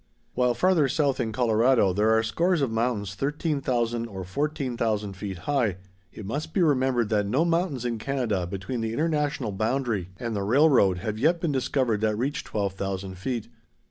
While farther south in Colorado there are scores of mountains 13,000 or 14,000 feet high, it must be remembered that no mountains in Canada between the International boundary and the railroad have yet been discovered that reach 12,000 feet.